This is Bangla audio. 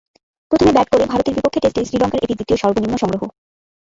প্রথমে ব্যাট করে ভারতের বিপক্ষে টেস্টে শ্রীলঙ্কার এটি দ্বিতীয় সর্বনিম্ন সংগ্রহ।